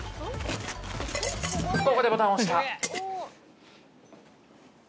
ここでボタンを押した。